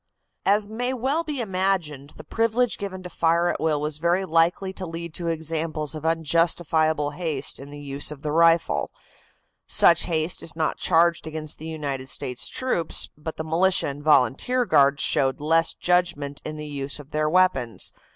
As may well be imagined, the privilege given to fire at will was very likely to lead to examples of unjustifiable haste in the use of the rifle. Such haste is not charged against the United States troops, but the militia and volunteer guards showed less judgment in the use of their weapons.